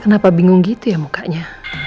kenapa bingung gitu ya mukanya